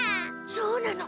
そうなの。